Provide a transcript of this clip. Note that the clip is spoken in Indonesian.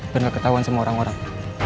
pernah ketahuan sama orang orang